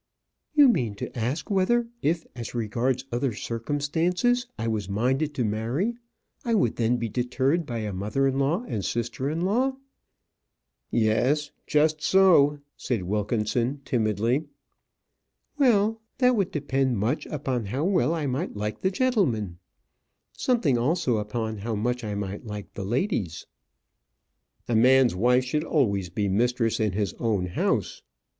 "You mean to ask whether, if, as regards other circumstances, I was minded to marry, I would then be deterred by a mother in law and sister in law?" "Yes, just so," said Wilkinson, timidly. "Well, that would depend much upon how well I might like the gentleman; something also upon how much I might like the ladies." "A man's wife should always be mistress in his own house."